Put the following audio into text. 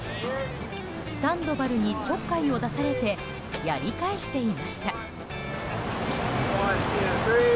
サンドバルにちょっかいを出されてやり返していました。